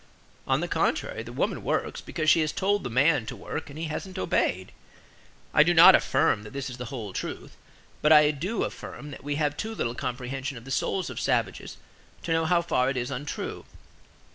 On the contrary, the woman works because she has told the man to work and he hasn't obeyed. I do not affirm that this is the whole truth, but I do affirm that we have too little comprehension of the souls of savages to know how far it is untrue.